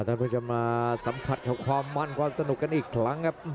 ท่านผู้ชมจะมาสัมผัสกับความมั่นความสนุกกันอีกครั้งครับ